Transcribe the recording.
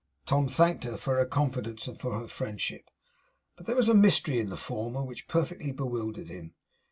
Tom thanked her for her confidence, and for her friendship, but there was a mystery in the former which perfectly bewildered him.